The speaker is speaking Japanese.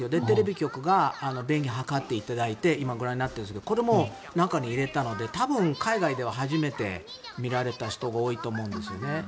テレビ局に便宜を図っていただいて今ご覧になっているんですがこれも中に入れたので多分海外でも初めて見られた人が多いと思うんです。